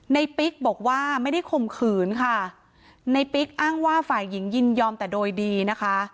ปิ๊กบอกว่าไม่ได้ข่มขืนค่ะในปิ๊กอ้างว่าฝ่ายหญิงยินยอมแต่โดยดีนะคะ